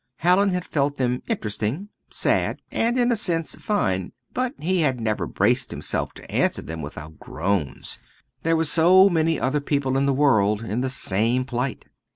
Hallin had felt them interesting, sad, and, in a sense, fine; but he had never braced himself to answer them without groans. There were so many other people in the world in the same plight!